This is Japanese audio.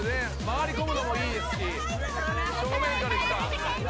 回り込むのもいいですし。